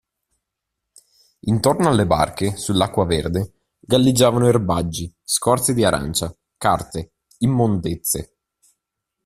Intorno alle barche, sull'acqua verde, galleggiavano erbaggi, scorze di arancia, carte, immondezze.